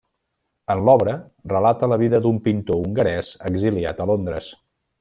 En l'obra relata la vida d'un pintor hongarès exiliat a Londres.